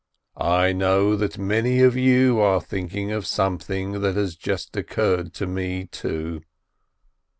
I know that many of you are think ing of something that has just occurred to me, too.